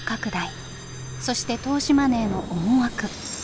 そして投資マネーの思惑。